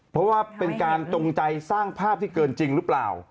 เพราะว่าเป็นการจงใจสร้างภาพที่เกินจริงหรือเปล่า